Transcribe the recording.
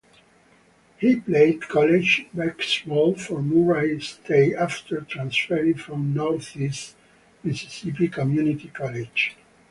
He played college basketball for Murray State after transferring from Northeast Mississippi Community College.